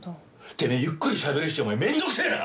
てめえゆっくりしゃべるしお前面倒くせえな！